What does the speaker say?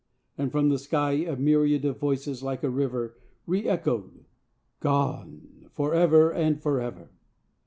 â and from the sky A myriad of voices, like a river, Reëchoed âGone! forever and forever!